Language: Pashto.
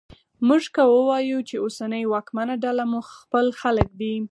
موږ که وایوو چې اوسنۍ واکمنه ډله مو خپل خلک دي